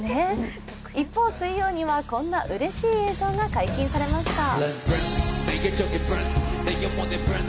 一方、水曜にはこんなうれしい映像が解禁されました。